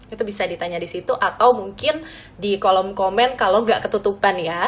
itu bisa ditanya di situ atau mungkin di kolom komen kalau nggak ketutupan ya